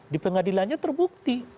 di pengadilannya terbukti